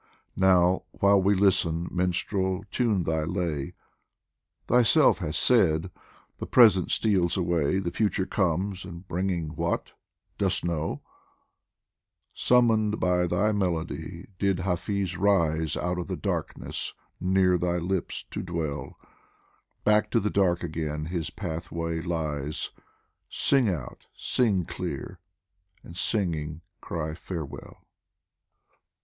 Now, while we listen, Minstrel, tune thy lay ! Thyself hast said :" The Present steals away ; The Future comes, and bringing what ? Dost know ?" Summoned by thy melody did Hafiz rise Out of the darkness near thy lips to dwell ; Back to the dark again his pathway lies Sing out, sing clear, and singing cry : Farewell